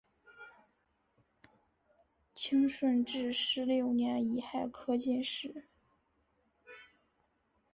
清顺治十六年己亥科进士。